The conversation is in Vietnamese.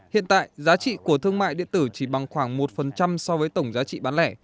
hiện tại giá trị của thương mại điện tử chỉ bằng khoảng một so với tổng giá trị bán lẻ